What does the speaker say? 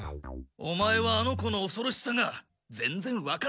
オマエはあの子のおそろしさがぜんぜんわかっていない！